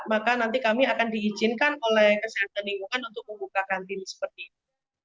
maka nanti kami akan diizinkan oleh kesehatan lingkungan untuk membuka kantin seperti ini